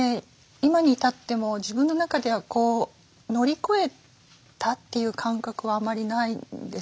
今に至っても自分の中では乗り越えたという感覚はあまりないんですよ。